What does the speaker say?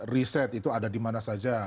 reset itu ada dimana saja